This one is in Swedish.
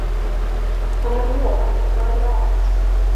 Han har lovat att vara lat.